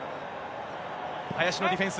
林のディフェンス。